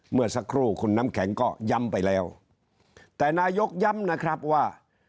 เมื่อสักครู่คุณน้ำแข็งก็ย้ำไปแล้วแต่นายกย้ำนะครับว่า